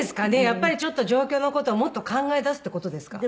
やっぱりちょっと状況の事をもっと考えだすって事ですか？